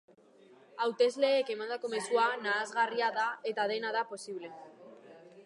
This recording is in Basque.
Hautesleek emandako mezua nahasgarria da eta dena da posible.